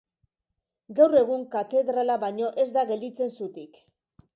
Gaur egun katedrala baino ez da gelditzen zutik.